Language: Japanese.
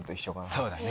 そうだね。